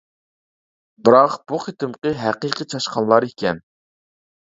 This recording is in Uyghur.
بىراق بۇ قېتىمقى ھەقىقىي چاشقانلار ئىكەن.